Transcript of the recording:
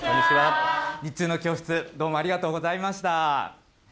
３つ分の教室、どうもありがとうございました。